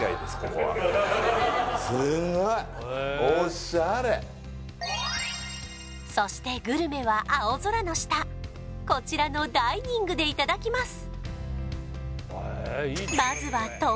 ここはすごいオシャレそしてグルメは青空の下こちらのダイニングでいただきます